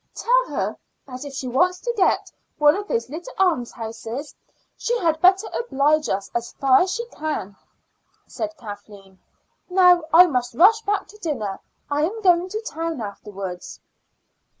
"Tell her that if she wants to get one of the little almshouses she had better oblige us as far as she can," said. Kathleen. "Now I must rush back to dinner. I am going to town afterwards."